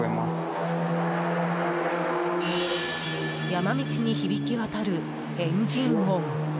山道に響き渡るエンジン音。